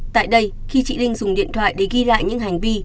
tại đây khi chị linh dùng điện thoại để ghi lại những hành vi